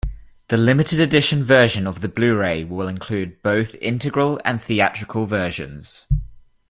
The Limited Edition version of the Blu-ray will include both integral and theatrical versions.